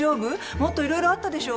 もっといろいろあったでしょ？